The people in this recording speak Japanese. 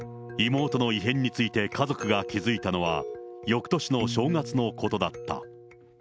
妹の異変について家族が気付いたのは、よくとしの正月のことだった。